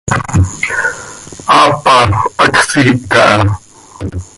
Aapa, hacx siih caha.